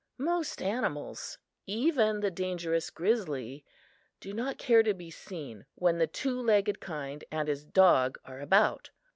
Most animals, even the dangerous grizzly, do not care to be seen when the two legged kind and his dog are about.